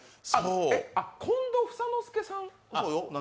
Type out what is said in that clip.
近藤房之助さん？